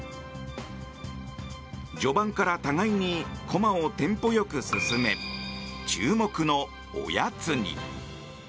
序盤から互いに駒をテンポよく進め注目のおやつに。